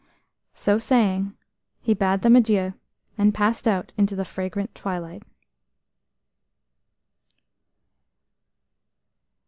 So saying, he bade them adieu, and passed out into the fragrant twilight.